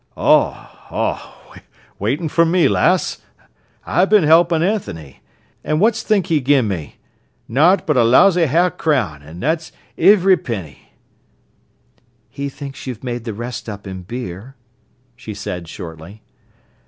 "Oh! Oh! waitin' for me, lass? I've bin 'elpin' Anthony, an' what's think he's gen me? Nowt b'r a lousy hae'f crown, an' that's ivry penny—" "He thinks you've made the rest up in beer," she said shortly.